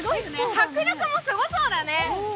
迫力もすごそうだね。